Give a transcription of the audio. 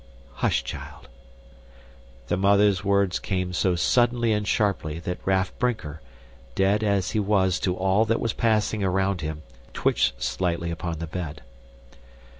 "Hush, child!" The mother's words came so suddenly and sharply that Raff Brinker, dead as he was to all that was passing around him, twitched slightly upon the bed.